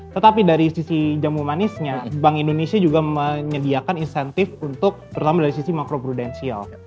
tetapi dari sisi jamu manisnya bank indonesia juga menyediakan insentif untuk terutama dari sisi makro prudensial